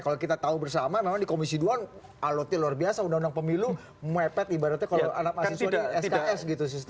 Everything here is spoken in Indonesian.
kalau kita tahu bersama memang di komisi duan aloti luar biasa undang undang pemilu mepet ibaratnya kalau anak asisnya sks gitu sih